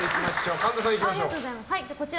神田さん、いきましょう。